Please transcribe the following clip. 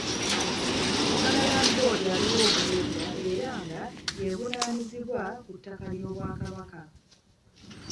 Buganda Land Board yaliwo okuva edda era nga y'evunaanyizibwa ku ttaka ly'Obwakabaka.